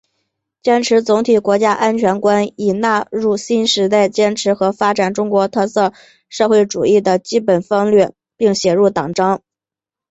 坚持总体国家安全观已纳入新时代坚持和发展中国特色社会主义的基本方略并写入党章